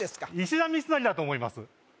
石田三成だと思います